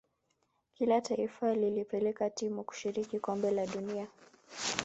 kila taifa lilipeleka timu kushiriki kombe la dunia